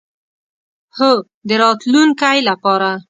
هو، د راتلونکی لپاره